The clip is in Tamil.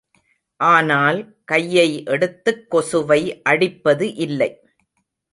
ஆனால் கையை எடுத்துக் கொசுவை அடிப்பது இல்லை.